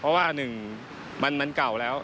เพราะว่าหนึ่งมันเก่าแล้ว